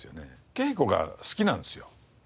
稽古が好きなんですよ。